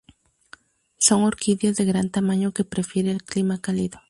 Son orquídeas de gran tamaño que prefiere el clima cálido.